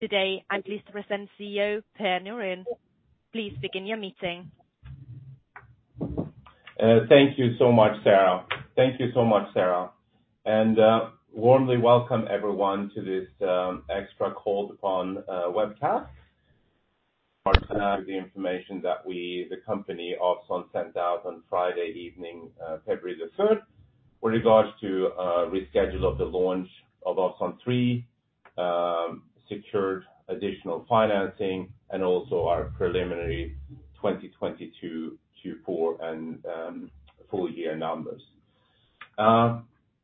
Today, I'm pleased to present CEO, Per Norén. Please begin your meeting. Thank you so much, Sarah. Thank you so much, Sarah. Warmly welcome everyone to this extra call upon webcast. The information that we, the company, Ovzon, sent out on Friday evening, February the 3rd with regards to reschedule of the launch of Ovzon 3, secured additional financing and also our preliminary 2022 Q4 and full year numbers.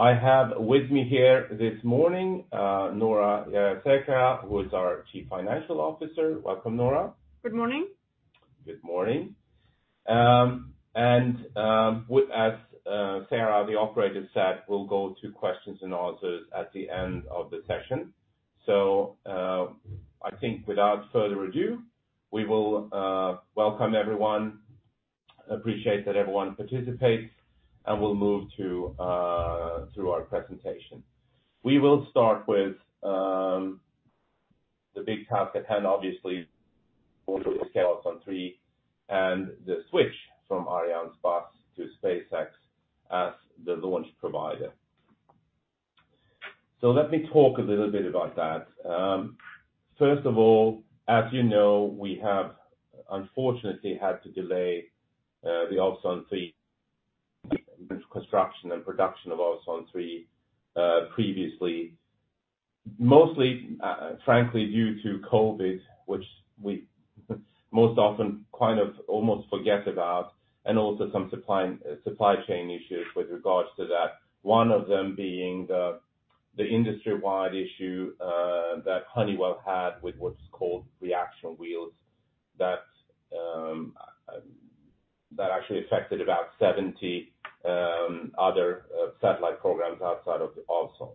I have with me here this morning, Noora Jayasekara, who is our Chief Financial Officer. Welcome, Noora. Good morning. Good morning. As Sarah, the operator said, we'll go to questions and answers at the end of the session. I think without further ado, we will welcome everyone. Appreciate that everyone participates, and we'll move through our presentation. We will start with the big task at hand, obviously, with the scale Ovzon 3 and the switch from Arianespace to SpaceX as the launch provider. Let me talk a little bit about that. First of all, as you know, we have unfortunately had to delay the Ovzon 3 construction and production of Ovzon 3 previously. Mostly, frankly, due to COVID, which we most often kind of almost forget about, and also some supply chain issues with regards to that. One of them being the industry-wide issue that Honeywell had with what's called reaction wheels that actually affected about 70 other satellite programs outside of the Ovzon.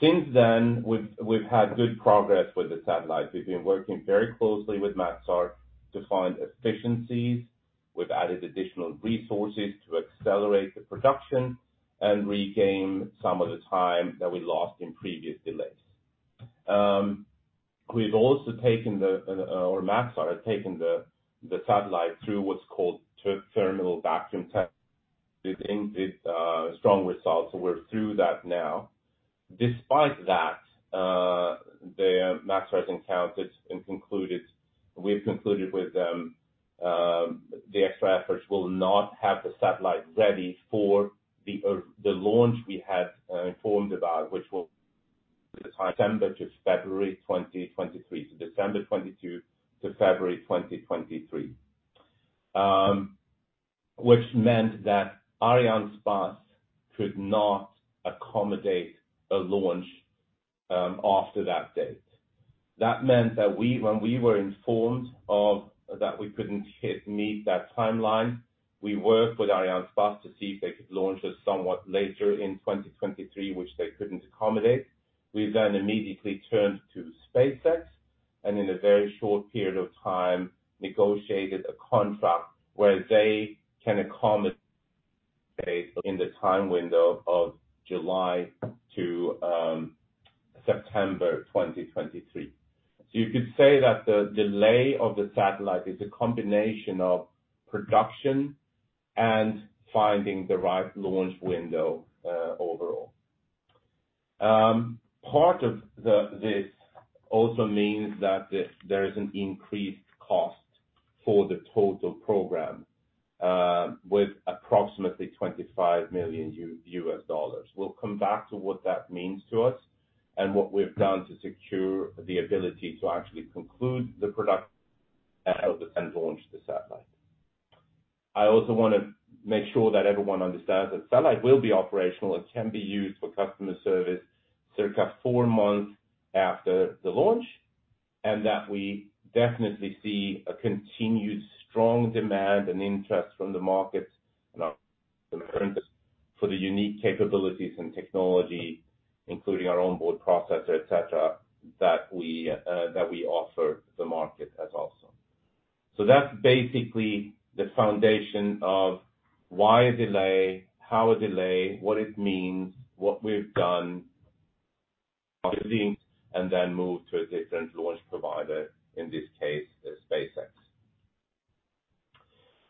Since then, we've had good progress with the satellite. We've been working very closely with Maxar to find efficiencies. We've added additional resources to accelerate the production and regain some of the time that we lost in previous delays. We've also taken the, or Maxar has taken the satellite through what's called thermal vacuum test with strong results. We're through that now. Despite that, the Maxar has encountered and we've concluded with them, the extra efforts will not have the satellite ready for the launch we had informed about, which will September to February 2023. December 2022 to February 2023. Which meant that Arianespace could not accommodate a launch after that date. That meant that when we were informed of that we couldn't meet that timeline, we worked with Arianespace to see if they could launch us somewhat later in 2023, which they couldn't accommodate. We immediately turned to SpaceX, and in a very short period of time, negotiated a contract where they can accommodate in the time window of July to September 2023. You could say that the delay of the satellite is a combination of production and finding the right launch window overall. Part of this also means that there is an increased cost for the total program with approximately $25 million. We'll come back to what that means to us and what we've done to secure the ability to actually conclude the product and launch the satellite. I also wanna make sure that everyone understands the satellite will be operational. It can be used for customer service circa 4 months after the launch, and that we definitely see a continued strong demand and interest from the market and our customers for the unique capabilities and technology, including our On-Board Processor, et cetera, that we offer the market as also. That's basically the foundation of why a delay, how a delay, what it means, what we've done, and then move to a different launch provider, in this case, SpaceX.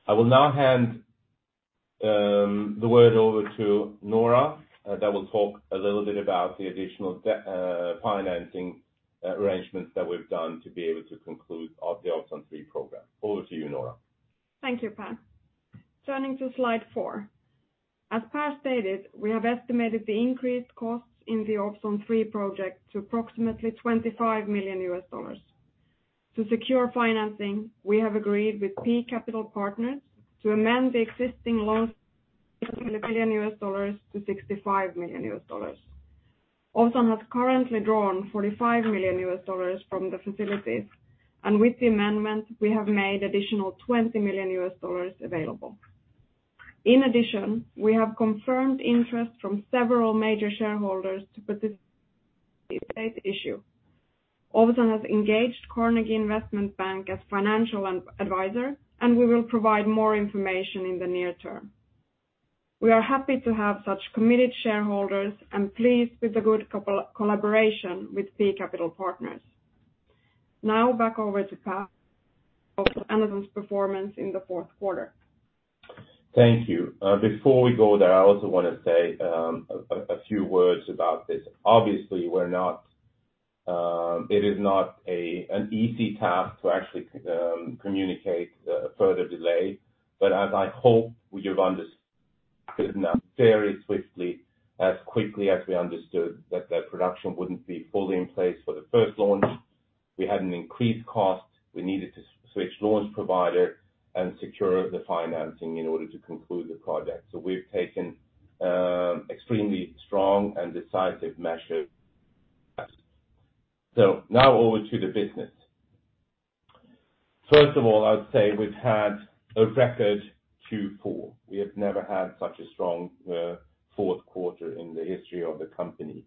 I will now hand the word over to Noora, that will talk a little bit about the additional financing arrangements that we've done to be able to conclude of the Ovzon 3 program. Over to you, Noora. Thank you, Per. Turning to slide 4. As Per stated, we have estimated the increased costs in the Ovzon 3 project to approximately $25 million. To secure financing, we have agreed with P Capital Partners to amend the existing loans million US dollars to $65 million. Ovzon has currently drawn $45 million from the facilities, and with the amendment, we have made additional $20 million available. In addition, we have confirmed interest from several major shareholders to participate issue. Ovzon has engaged Carnegie Investment Bank as financial advisor, and we will provide more information in the near term. We are happy to have such committed shareholders and pleased with the good collaboration with P Capital Partners. Back over to Per for Ovzon's performance in the fourth quarter. Thank you. Before we go there, I also wanna say a few words about this. Obviously, we're not. It is not an easy task to actually communicate further delay. As I hope we have understood now very swiftly, as quickly as we understood that the production wouldn't be fully in place for the first launch, we had an increased cost. We needed to switch launch provider and secure the financing in order to conclude the project. We've taken extremely strong and decisive measures. Now over to the business. First of all, I would say we've had a record Q4. We have never had such a strong fourth quarter in the history of the company.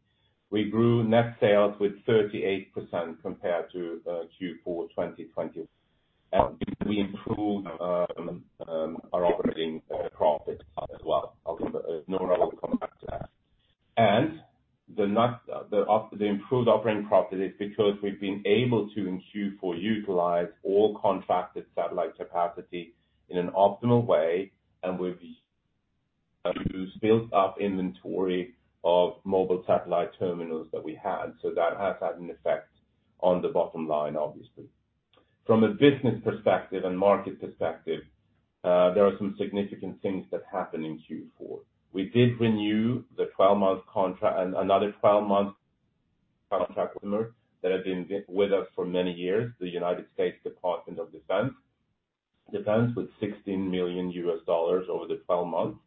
We grew net sales with 38% compared to Q4, 2020. We improved our operating profit as well. Noora will come back to that. The net, the improved operating profit is because we've been able to, in Q4, utilize all contracted satellite capacity in an optimal way, and we've built up inventory of mobile satellite terminals that we had. That has had an effect on the bottom line, obviously. From a business perspective and market perspective, there are some significant things that happened in Q4. We did renew the 12-month contract, another 12-month contract that had been with us for many years, the United States Department of Defense, with $16 million over the 12 months.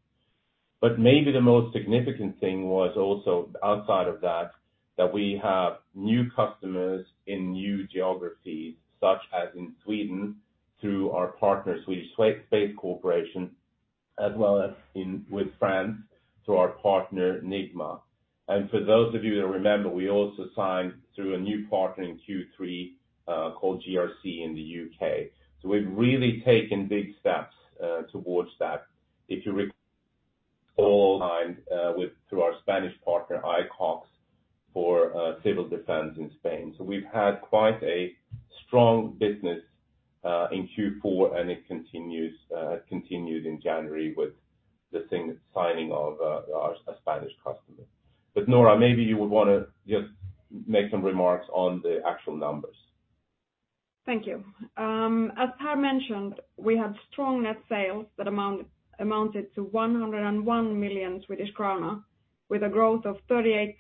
Maybe the most significant thing was also outside of that we have new customers in new geographies, such as in Sweden, through our partner, Swedish Space Corporation, as well as in France, through our partner, Nigma. For those of you that remember, we also signed through a new partner in Q3, called GRC in the UK. We've really taken big steps towards that. all signed with through our Spanish partner, Aicox, for civil defense in Spain. We've had quite a strong business in Q4, and it continues, continued in January with the signing of, our, a Spanish customer. Noora, maybe you would wanna just make some remarks on the actual numbers. Thank you. As Per mentioned, we had strong net sales that amounted to 101 million Swedish krona with a growth of 38%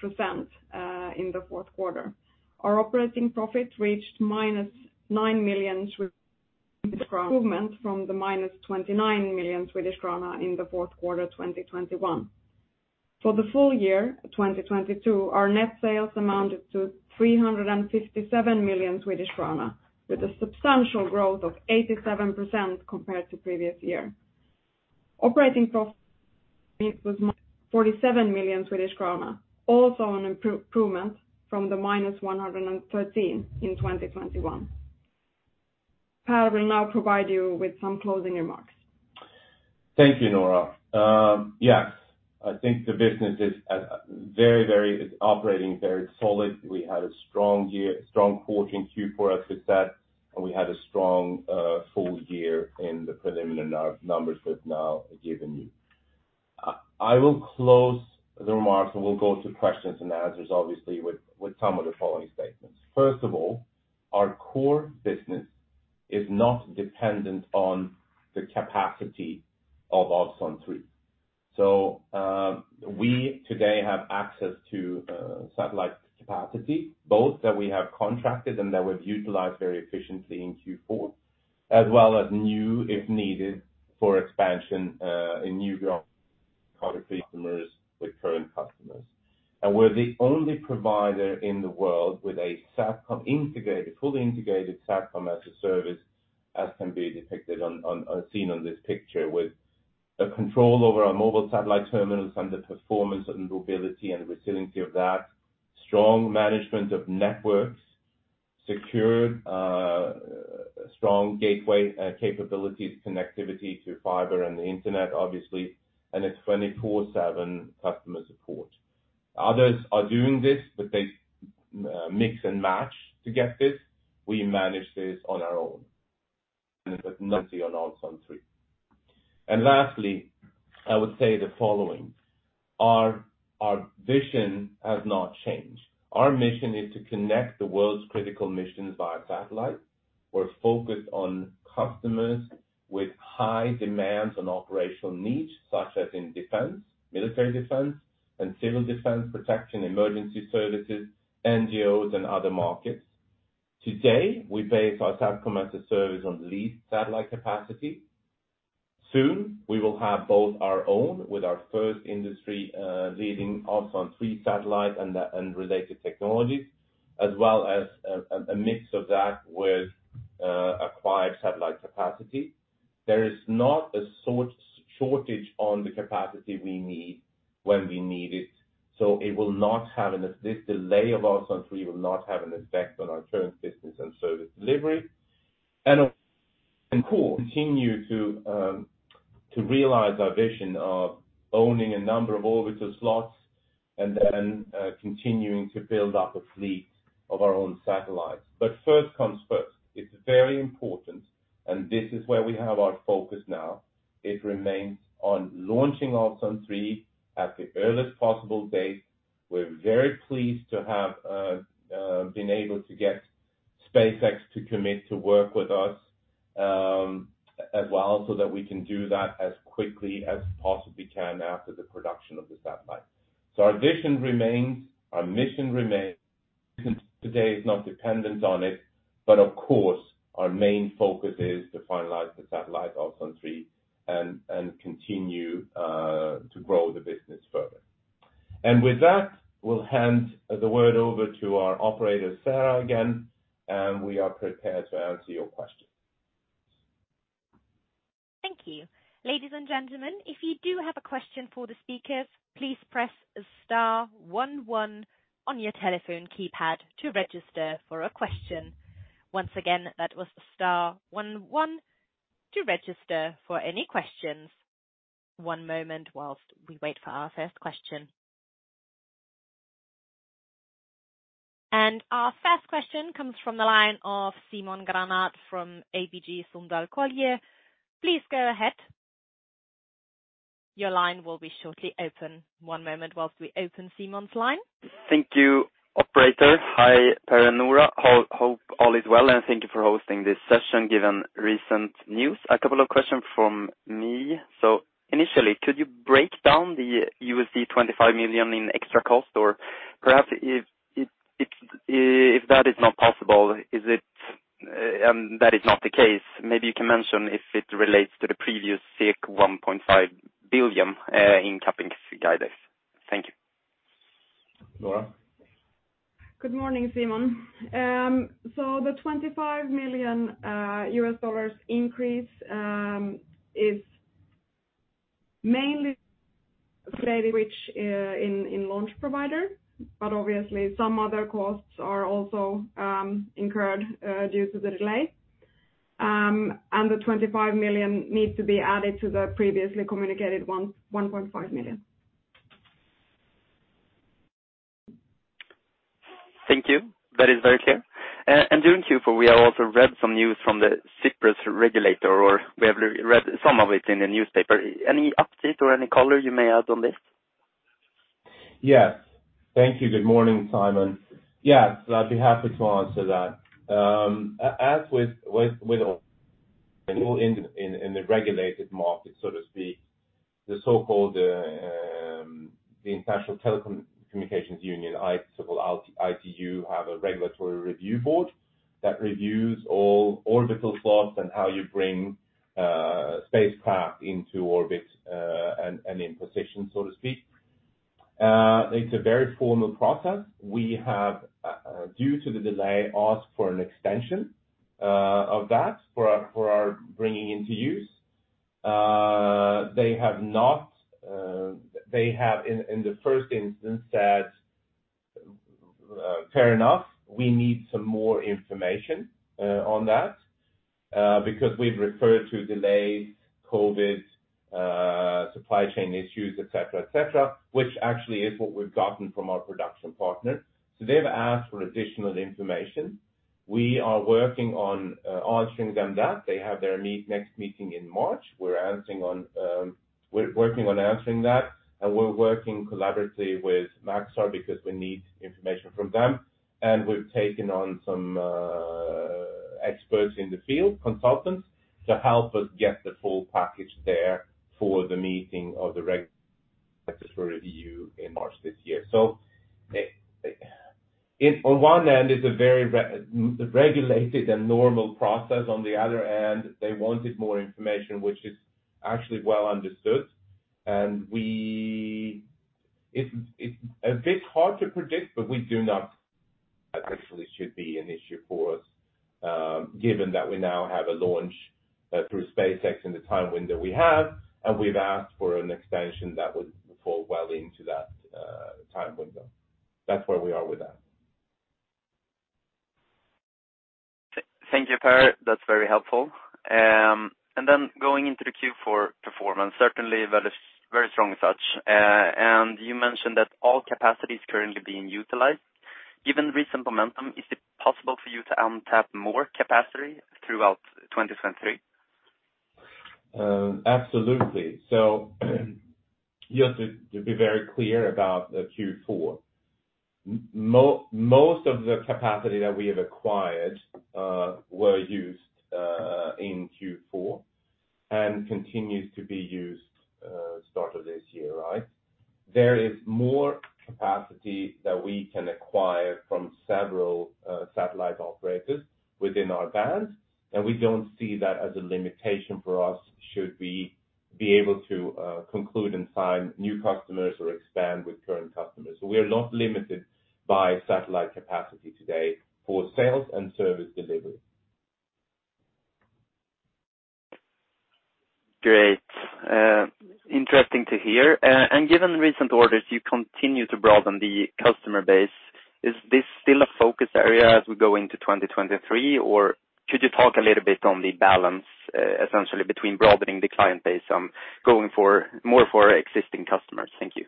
in the fourth quarter. Our operating profit reached minus 9 million Swedish krona, improvement from the minus 29 million Swedish krona in the fourth quarter, 2021. For the full year, 2022, our net sales amounted to 357 million Swedish krona, with a substantial growth of 87% compared to previous year. Operating profit was 47 million Swedish krona, also an improvement from the minus 113 million in 2021. Per will now provide you with some closing remarks. Thank you, Noora Jayasekara. Yes. I think the business is operating very solid. We had a strong year, strong fourth and Q4 as it's at, and we had a strong full year in the preliminary numbers we've now given you. I will close the remarks, and we'll go to questions and answers, obviously, with some of the following statements. First of all, our core business is not dependent on the capacity of Ovzon 3. We today have access to satellite capacity, both that we have contracted and that we've utilized very efficiently in Q4, as well as new, if needed for expansion, in new geo customers, with current customers. We're the only provider in the world with a SATCOM integrated, fully integrated SATCOM-as-a-Service, as can be depicted on, seen on this picture, with a control over our mobile satellite terminals and the performance and mobility and resiliency of that. Strong management of networks, secure, strong gateway capabilities, connectivity to fiber and the Internet, obviously, and a 24/7 customer support. Others are doing this, but they mix and match to get this. We manage this on our own. With on Ovzon 3. Lastly, I would say the following, our vision has not changed. Our mission is to connect the world's critical missions via satellite. We're focused on customers with high demands and operational needs, such as in defense, military defense, and civil defense, protection, emergency services, NGOs, and other markets. Today, we base our SATCOM-as-a-Service on leased satellite capacity. Soon, we will have both our own with our first industry leading Ovzon 3 satellite and related technologies, as well as a mix of that with acquired satellite capacity. There is not a shortage on the capacity we need when we need it, so it will not have an effect on our current business and service delivery. We continue to realize our vision of owning a number of orbital slots and then continuing to build up a fleet of our own satellites. First comes first, it's very important, and this is where we have our focus now. It remains on launching O3 at the earliest possible date. We're very pleased to have been able to get SpaceX to commit to work with us as well, so that we can do that as quickly as possibly can after the production of the satellite. Our vision remains, our mission remains. Today is not dependent on it, but of course, our main focus is to finalize the satellite O3 and continue to grow the business further. With that, we'll hand the word over to our operator, Sarah, again, and we are prepared to answer your questions. Thank you. Ladies and gentlemen, if you do have a question for the speakers, please press star one one on your telephone keypad to register for a question. Once again, that was star one one to register for any questions. One moment whilst we wait for our first question. Our first question comes from the line of Simon Granat from ABG Sundal Collier. Please go ahead. Your line will be shortly open. One moment whilst we open Simon's line. Thank you, operator. Hi, Per and Noora. Hope all is well, and thank you for hosting this session, given recent news. A couple of questions from me. Initially, could you break down the $25 million in extra cost? Or perhaps if that is not possible, is it that is not the case, maybe you can mention if it relates to the previous 1.5 billion in CapEx guidance. Thank you. Noora. Good morning, Simon. The $25 million increase is mainly play the reach in launch provider. Obviously some other costs are also incurred due to the delay. The $25 million needs to be added to the previously communicated $1.5 million. Thank you. That is very clear. During Q4, we have also read some news from the Cyprus regulator, or we have re-read some of it in the newspaper. Any update or any color you may add on this? Yes. Thank you. Good morning, Simon. Yes, I'd be happy to answer that. as with all in the regulated markets, so to speak, the so-called the International Telecommunication Union, so-called ITU have a regulatory review board that reviews all orbital slots and how you bring spacecraft into orbit and in position, so to speak. It's a very formal process. We have, due to the delay, asked for an extension of that for our bringing into use. They have not, they have in the first instance said, fair enough, we need some more information on that, because we've referred to delays, COVID, supply chain issues, et cetera, et cetera, which actually is what we've gotten from our production partners. They've asked for additional information. We are working on answering them that. They have their next meeting in March. We're working on answering that, and we're working collaboratively with Maxar because we need information from them. We've taken on some experts in the field, consultants, to help us get the full package there for the meeting of the reg for review in March this year. It on one end, it's a very re-regulated and normal process. On the other end, they wanted more information, which is actually well understood. It's a bit hard to predict, but we do not actually should be an issue for us, given that we now have a launch through SpaceX in the time window we have, and we've asked for an extension that would fall well into that time window. That's where we are with that. Thank you, Per. That's very helpful. Then going into the Q4 performance, certainly that is very strong such. You mentioned that all capacity is currently being utilized. Given recent momentum, is it possible for you to untap more capacity throughout 2023? Absolutely. Just to be very clear about Q4. Most of the capacity that we have acquired were used in Q4 and continues to be used start of this year, right? There is more capacity that we can acquire from several satellite operators within our band, we don't see that as a limitation for us, should we be able to conclude and sign new customers or expand with current customers. We are not limited by satellite capacity today for sales and service delivery. Great. interesting to hear. Given recent orders, you continue to broaden the customer base. Is this still a focus area as we go into 2023? Could you talk a little bit on the balance, essentially between broadening the client base on going for more for existing customers? Thank you.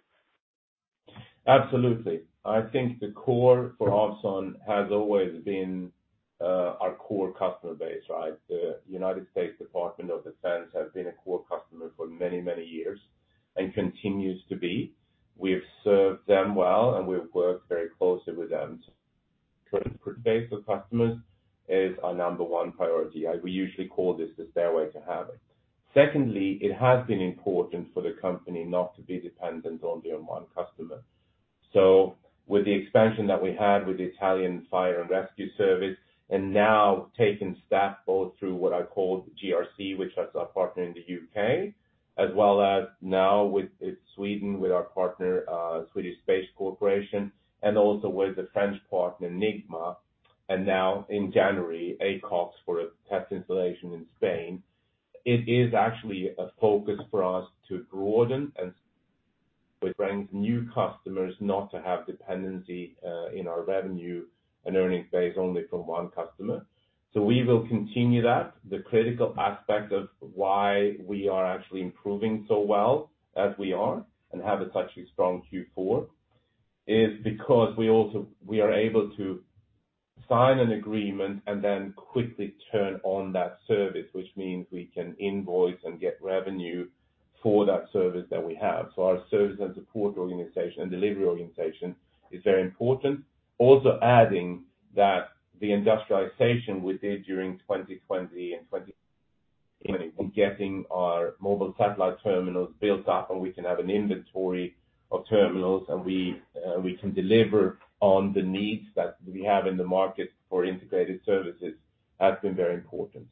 Absolutely. I think the core for Ovzon has always been, our core customer base, right? The United States Department of Defense has been a core customer for many, many years and continues to be. We have served them well, and we've worked very closely with them. Current base of customers is our number 1 priority. We usually call this the stairway to heaven. Secondly, it has been important for the company not to be dependent on their 1 customer. With the expansion that we had with the Italian Fire and Rescue Service and now taking staff both through what I call GRC, which is our partner in the U.K., as well as now with Sweden, with our partner, Swedish Space Corporation, and also with the French partner, Nigma, and now in January, Aicox, for a test installation in Spain. It is actually a focus for us to broaden and with brand new customers, not to have dependency in our revenue and earnings base only from one customer. We will continue that. The critical aspect of why we are actually improving so well as we are and have such a strong Q4, is because we are able to sign an agreement and then quickly turn on that service, which means we can invoice and get revenue for that service that we have. Our service and support organization and delivery organization is very important. Adding that the industrialization we did during 2020 and 2020, getting our mobile satellite terminals built up and we can have an inventory of terminals and we can deliver on the needs that we have in the market for integrated services has been very important.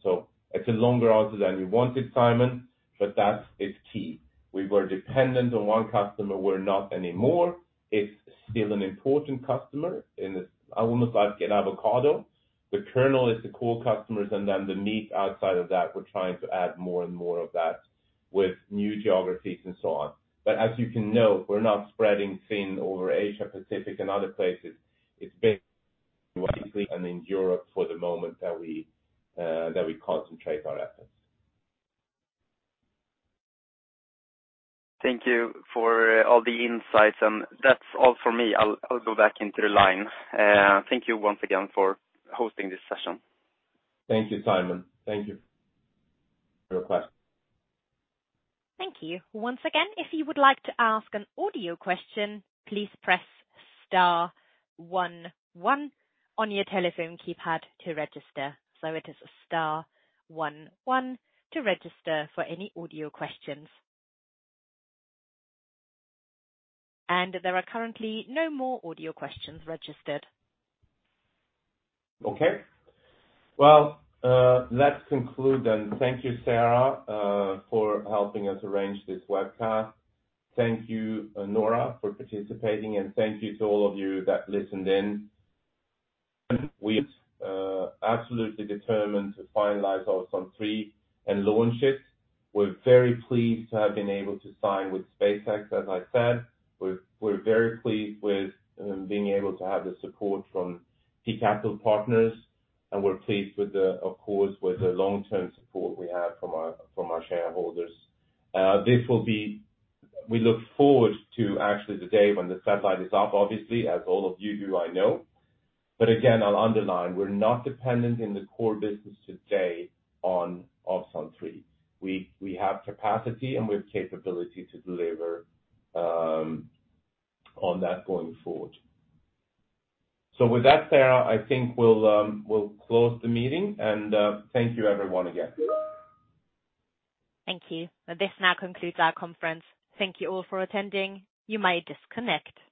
It's a longer answer than you wanted, Simon, but that is key. We were dependent on one customer, we're not anymore. It's still an important customer. In this, I almost like an avocado. The kernel is the core customers and then the meat outside of that, we're trying to add more and more of that with new geographies and so on. As you can note, we're not spreading thin over Asia, Pacific and other places. It's basically and in Europe for the moment that we concentrate our efforts. Thank you for all the insights. That's all for me. I'll go back into the line. Thank you once again for hosting this session. Thank you, Simon. Thank you. No problem. Thank you. Once again, if you would like to ask an audio question, please press star one one on your telephone keypad to register. It is star one one to register for any audio questions. There are currently no more audio questions registered. Okay. Well, let's conclude. Thank you, Sarah, for helping us arrange this webcast. Thank you, Noora, for participating. Thank you to all of you that listened in. We absolutely determined to finalize Ovzon 3 and launch it. We're very pleased to have been able to sign with SpaceX, as I said. We're very pleased with being able to have the support from P Capital Partners. We're pleased with the, of course, with the long-term support we have from our shareholders. We look forward to actually the day when the satellite is up, obviously, as all of you do I know. Again, I'll underline, we're not dependent in the core business today on Ovzon 3. We have capacity and we have capability to deliver on that going forward. With that, Sarah, I think we'll close the meeting and, thank you everyone again. Thank you. This now concludes our conference. Thank you all for attending. You may disconnect.